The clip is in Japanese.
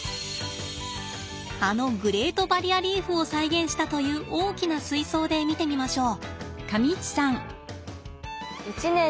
あのグレートバリアリーフを再現したという大きな水槽で見てみましょう。